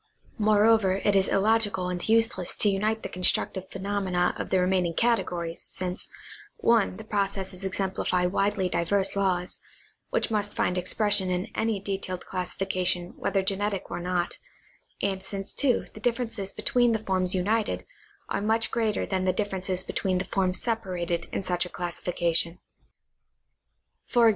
Moreover it is illogical and useless to unite the constructive phe nomena of the remaining categories, since (1) the processes exem plify widely diverse laws, which must find expression in any detailed classification whether genetic or not, and since (2) the differences between the forms united are much greater than the differences between the forms separated in such a classification — e. g.